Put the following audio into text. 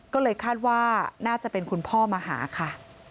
ก็เลยคาดว่าน่าจะเป็นคุณพ่อมาหาค่ะ